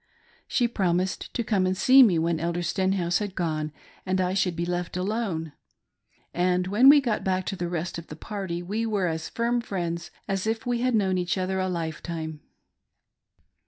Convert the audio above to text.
She promised to come and see me when Elder Stenhouse had gone and I should be left alone ; and when we got back to the rest of the party we were as firm friends as if we had known each other a lifetime.